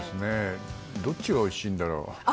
どっちがおいしいんだろう？